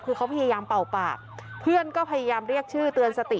คือเขาพยายามเป่าปากเพื่อนก็พยายามเรียกชื่อเตือนสติ